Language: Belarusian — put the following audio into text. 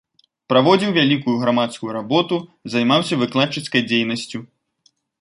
Праводзіў вялікую грамадскую работу, займаўся выкладчыцкай дзейнасцю.